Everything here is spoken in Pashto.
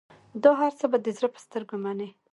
دا هرڅه به د زړه په سترګو منې.